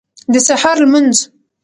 د سهار لمونځ